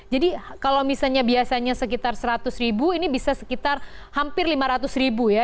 jadi kalau misalnya biasanya sekitar seratus ribu ini bisa sekitar hampir lima ratus ribu ya